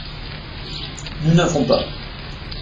Nous n'avons pas.